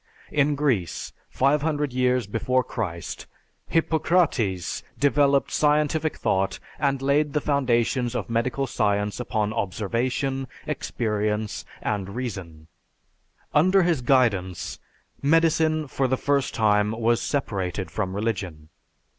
In Greece, 500 years before Christ, Hippocrates developed scientific thought and laid the foundations of medical science upon observation, experience, and reason. Under his guidance, medicine for the first time was separated from religion.